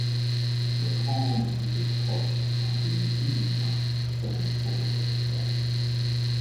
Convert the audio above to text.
Le grand rendez-vous de troc en pays Illinois permettra des retrouvailles.